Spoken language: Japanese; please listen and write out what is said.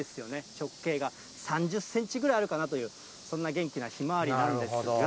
直径が３０センチぐらいあるかなという、そんな元気なひまわりなんですが。